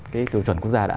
cái tiêu chuẩn quốc gia đã